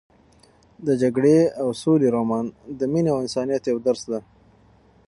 د جګړې او سولې رومان د مینې او انسانیت یو درس دی.